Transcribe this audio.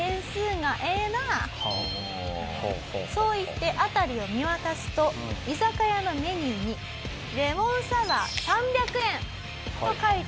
そう言って辺りを見渡すと居酒屋のメニューにレモンサワー３００円と書いてあるのを発見。